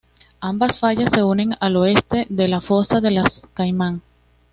Ambas fallas se unen al oeste de la fosa de las Caimán.